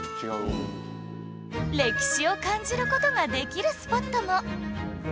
歴史を感じる事ができるスポットも